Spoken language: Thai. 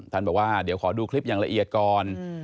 บอกว่าเดี๋ยวขอดูคลิปอย่างละเอียดก่อน